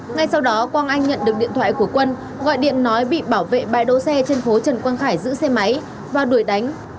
ngay sau đó quang anh nhận được điện thoại của quân gọi điện nói bị bảo vệ bãi đỗ xe trên phố trần quang khải giữ xe máy và đuổi đánh